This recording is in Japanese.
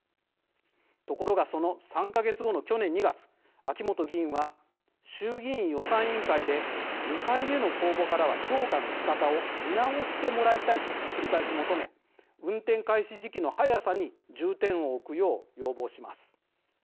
ところがその３か月後の去年２月秋本議員は衆議院予算委員会で「２回目の公募からは評価のしかたを見直してもらいたい」と繰り返し求め運転開始時期の早さに重点を置くよう要望します。